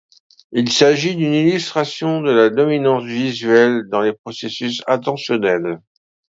Il s'agit d'une illustration de la dominance visuelle dans les processus attentionnels.